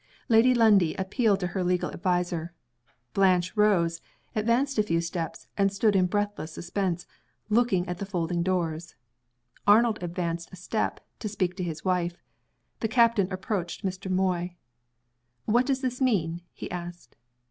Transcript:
Lady Lundie appealed to her legal adviser. Blanche rose advanced a few steps and stood in breathless suspense, looking at the folding doors. Arnold advanced a step, to speak to his wife. The captain approached Mr. Moy. "What does this mean?" he asked.